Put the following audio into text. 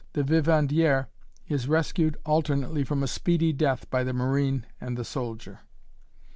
The vivandière is rescued alternately from a speedy death by the marine and the soldier.